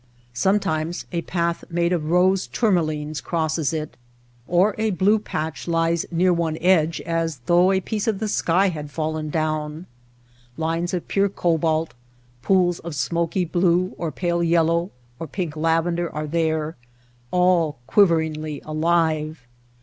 Sometimes a path made of rose tourmalines crosses it, or a blue patch lies near one edge as though a piece of the sky had fallen down. Lines of pure cobalt, pools of smoky blue, or pale yellow, or pink lavender are there, all quiveringly alive.